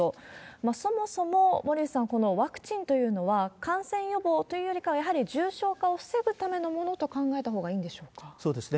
そもそも森内さん、このワクチンというのは、感染予防というよりかはやはり重症化を防ぐためのものと考えたほそうですね。